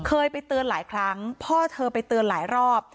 เคยไปเตือนหลายครั้งพ่อเธอไปเตือนหลายรอบ